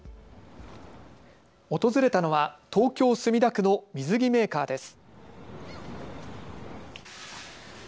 訪れたのは東京墨田区の水着メーカーです。